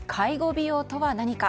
美容とは何か。